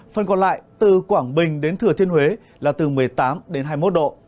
phần còn lại từ quảng bình đến thừa thiên huế là từ một mươi tám đến hai mươi một độ